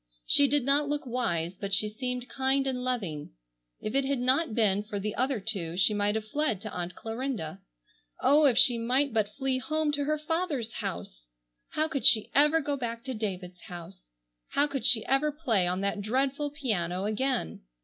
She did not look wise, but she seemed kind and loving. If it had not been for the other two she might have fled to Aunt Clarinda. Oh, if she might but flee home to her father's house! How could she ever go back to David's house! How could she ever play on that dreadful piano again?